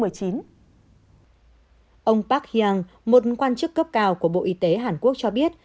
ông park heng một quan chức cấp cao của bộ y tế hàn quốc cho biết